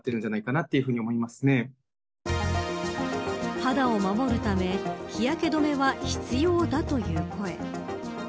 肌を守るため日焼け止めは必要だという声。